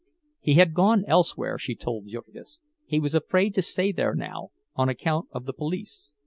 He had gone elsewhere, she told Jurgis—he was afraid to stay there now, on account of the police.